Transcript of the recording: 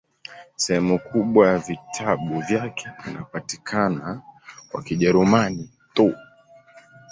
Sehemu kubwa ya vitabu vyake inapatikana kwa Kijerumani tu.